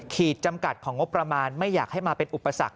จำกัดของงบประมาณไม่อยากให้มาเป็นอุปสรรค